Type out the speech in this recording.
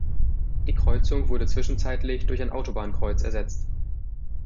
Die Kreuzung wurde zwischenzeitlich durch ein Autobahnkreuz ersetzt.